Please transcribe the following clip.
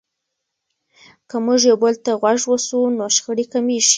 که موږ یو بل ته غوږ سو نو شخړې کمیږي.